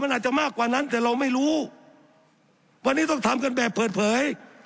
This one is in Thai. มันอาจจะมากกว่านั้นแต่เราไม่รู้วันนี้ต้องทำกันแบบเปิดเผย